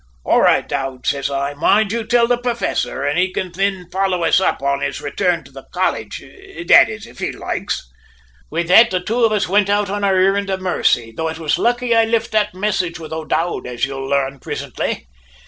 "`All right, O'Dowd,' says I. `Mind you till the professor, an' he can thin follow us up on his return to the college that is, if he loikes!' "With that off the two of us wint on our errind of mercy, though it was lucky I lift that message with O'Dowd, as ye'll larn prisintly!